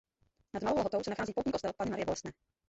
Nad Malou Lhotou se nachází poutní kostel Panny Marie Bolestné.